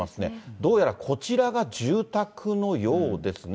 どうやらこちらが住宅のようですね。